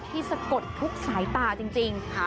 สะกดทุกสายตาจริง